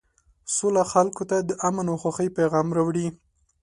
سوله خلکو ته د امن او خوښۍ پیغام راوړي.